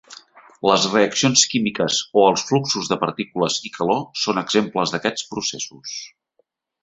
Les reaccions químiques o els fluxos de partícules i calor són exemples d'aquests processos.